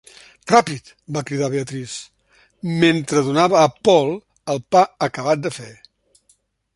"Ràpid!", va cridar Beatrice, mentre donava a Paul el pa acabat de fer.